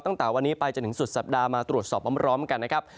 ตั้งแต่วันนี้ไปจนถึงสุดสัปดาห์มาตรวจสอบพร้อมกันนะครับ